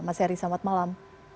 mas heri selamat malam